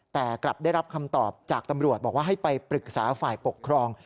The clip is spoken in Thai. แต่กลับได้รับคำตอบจากตำรวจบอกว่าให้ไปปรึกษาฝ่ายปกครอง